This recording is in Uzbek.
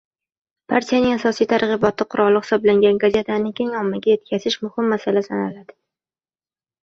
Partiyaning asosiy targʻibot quroli hisoblangan gazetani keng ommaga yetkazish muhim masala sanaladi.